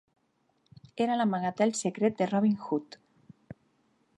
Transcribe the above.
Era l'amagatall secret de Robin Hood.